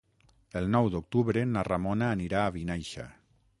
El nou d'octubre na Ramona anirà a Vinaixa.